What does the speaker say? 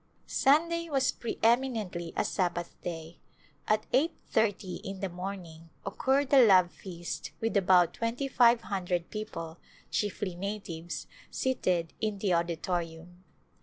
Sunday was preeminently a Sabbath Day. At eight thirty in the morning occurred the love feast with about twenty five hundred people, chiefly natives, seated in the auditorium.